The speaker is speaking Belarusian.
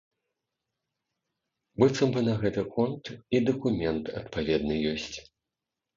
Быццам бы на гэты конт і дакумент адпаведны ёсць.